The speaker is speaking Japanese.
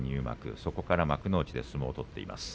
そこから幕内で相撲を取っています。